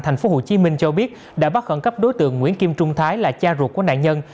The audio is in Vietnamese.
thành phố hồ chí minh cho biết đã bắt khẩn cấp đối tượng nguyễn kim trung thái là cha ruột của nạn nhân